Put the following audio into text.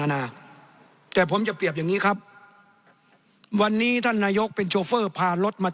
นานาแต่ผมจะเปรียบอย่างนี้ครับวันนี้ท่านนายกเป็นโชเฟอร์พารถมา